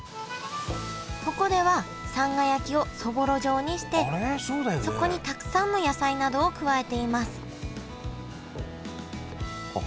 ここではさんが焼きをそぼろ状にしてそこにたくさんの野菜などを加えていますあっ